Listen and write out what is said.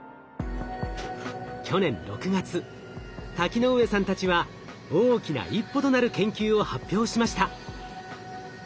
去年６月瀧ノ上さんたちは大きな一歩となる研究を発表しました。